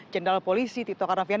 jendral polisi tito karnavian